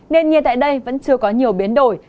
nền nhiệt tại đây vẫn chưa có nhiều biến đổi